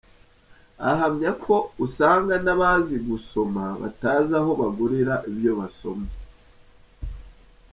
Ahamya ko ugasanga n’abazi gusoma batazi aho bagurira ibyo basoma.